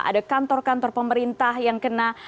ada kantor kantor pemerintah yang kena